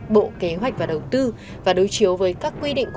bộ kế hoạch và đầu tư và đối chiếu với các quy định